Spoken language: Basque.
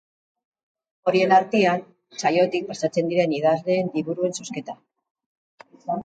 Horien artean, saiotik pasatzen diren idazleen liburuen zozketa.